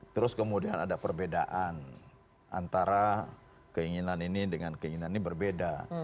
terus kemudian ada perbedaan antara keinginan ini dengan keinginan ini berbeda